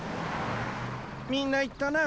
みんないったな。